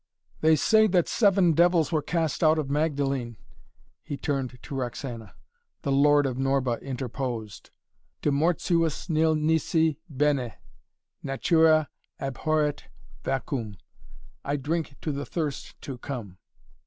"They say that seven devils were cast out of Magdalene " he turned to Roxana The Lord of Norba interposed. "De mortuis nil nisi bene! Natura abhorret vacuum! I drink to the thirst to come!"